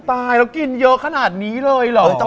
ตายแล้วกินเยอะขนาดนี้เลยเหรอ